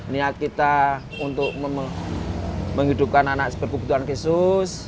niat kita untuk menghidupkan anak seperti tuhan yesus